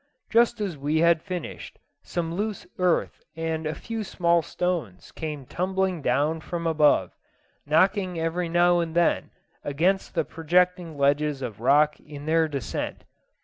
Just as we had finished, some loose earth and a few small stones came tumbling down from above, knocking every now and then against the projecting ledges of rock in their descent.